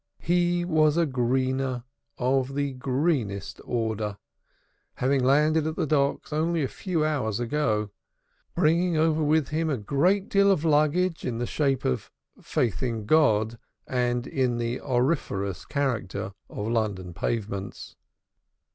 He was a "greener" of the greenest order, having landed at the docks only a few hours ago, bringing over with him a great deal of luggage in the shape of faith in God, and in the auriferous character of London pavements.